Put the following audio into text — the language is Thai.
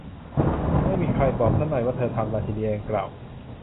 ไม่มีใครบอกซะหน่อยว่าเธอทำ ราชินีแดงกล่าว